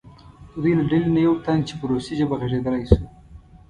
د دوی له ډلې نه یو تن چې په روسي ژبه غږېدلی شو.